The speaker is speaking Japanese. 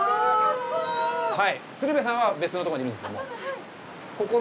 鶴瓶さんは別のとこにいるんですけども。